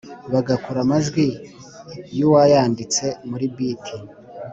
bagakura amajwi y'uwayanditse muri beat